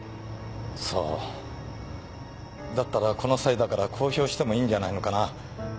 そうだったらこの際だから公表してもいいんじゃないのかな？